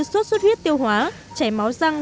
sốt suốt huyết tiêu hóa chảy máu răng